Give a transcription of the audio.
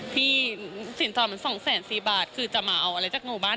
พี่สินสอดมันสองแสนสี่บาทคือจะมาเอาอะไรจากหนูบ้าง